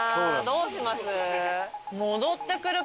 どうします？